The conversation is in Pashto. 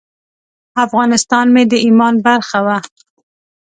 افغانستان مې د ایمان برخه وه.